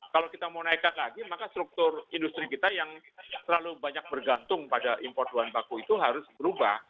kalau kita mau naikkan lagi maka struktur industri kita yang terlalu banyak bergantung pada import bahan baku itu harus berubah